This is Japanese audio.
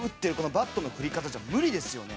バットの振り方じゃ無理ですよね？